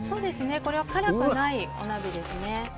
これは辛くないお鍋ですね。